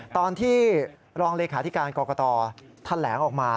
ตอนที่รองเลขาธิการกรกตแถลงออกมา